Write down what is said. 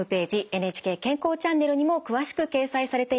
「ＮＨＫ健康チャンネル」にも詳しく掲載されています。